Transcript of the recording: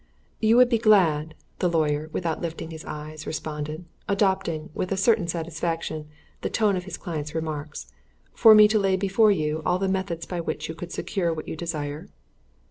"You would be glad," the lawyer, without lifting his eyes, responded, adopting, with a certain satisfaction, the tone of his client's remarks, "for me to lay before you all the methods by which you could secure what you desire?"